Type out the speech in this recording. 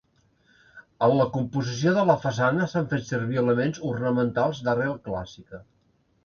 En la composició de la façana s'han fet servir elements ornamentals d'arrel clàssica.